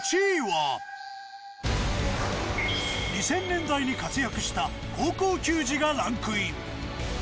２０００年代に活躍した高校球児がランクイン。